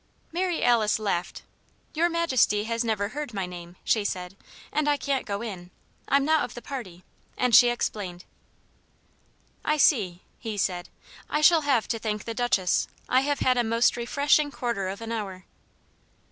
Mary Alice laughed. "Your Majesty has never heard my name," she said, "and I can't go in; I'm not of the party." And she explained. "I see," he said. "I shall have to thank the Duchess. I have had a most refreshing quarter of an hour."